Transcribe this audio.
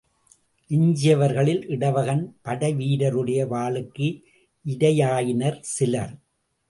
எஞ்சியவர்களில் இடவகன் படைவீரருடைய வாளுக்கு இரையாயினர் சிலர்.